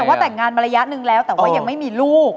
แต่ว่าแต่งงานมาระยะหนึ่งแล้วแต่ว่ายังไม่มีลูก